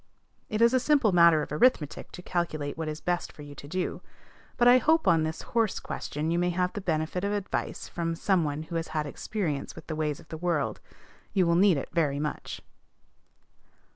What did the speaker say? It is a simple matter of arithmetic to calculate what is best for you to do; but I hope on this horse question you may have the benefit of advice from some one who has had experience with the ways of the world. You will need it very much.